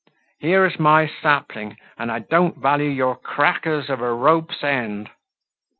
Here's my sapling, and I don't value your crackers of a rope's end."